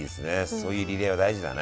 そういうリレーは大事だね。